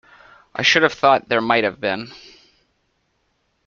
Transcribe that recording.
I should have thought there might have been.